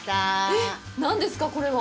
えっ、何ですか、これは！？